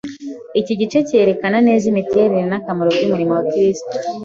Iki gice cyerekana neza imiterere n’akamaro by’umurimo wa Kristo.